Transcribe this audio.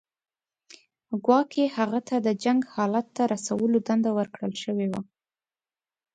ګواکې هغه ته د جنګ حالت ته رسولو دنده ورکړل شوې وه.